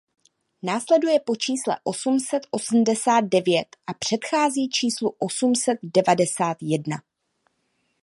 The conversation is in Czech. Následuje po čísle osm set osmdesát devět a předchází číslu osm set devadesát jedna.